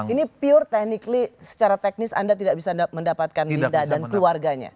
ini pure technically secara teknis anda tidak bisa mendapatkan linda dan keluarganya